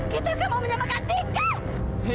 kita mau menyelamatkan tika